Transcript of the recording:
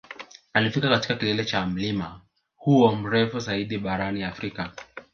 Alifika katika kilele cha mlima huo mrefu zaidi barani Afrika